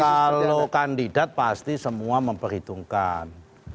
kalau kandidat pasti semua memperhitungkan